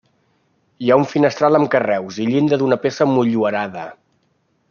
Hi ha un finestral amb carreus i llinda d'una peça emmotllurada.